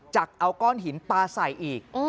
จะเอาก้อนหินปลาใส่อีก